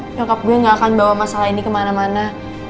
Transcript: youtup gue gak akan bawa masalah ini kemana mana